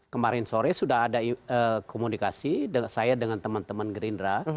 kemarin sore sudah ada komunikasi saya dengan teman teman gerindra